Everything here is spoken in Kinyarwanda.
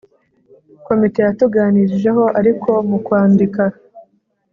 Komite yatuganirijeho ariko mu kwandika,